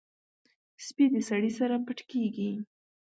سپي د سړي سره پټ کېږي.